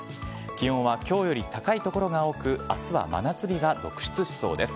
気温はきょうより高い所が多く、あすは真夏日が続出しそうです。